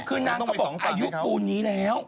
คือนางก็บอกอายุปูนนี้แล้ว